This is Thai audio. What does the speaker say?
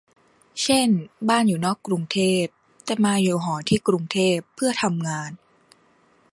เช่นบ้านอยู่นอกกรุงเทพ แต่มาอยู่หอที่กรุงเทพเพื่อทำงาน